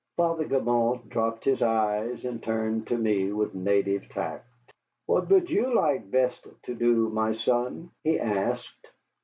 Father Gibault dropped his eyes and turned to me with native tact. "What would you like best to do, my son?" he asked.